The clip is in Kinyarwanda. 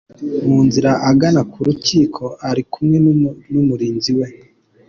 Mu nzira agana ku rukiko ari kumwe n’umurinzi we.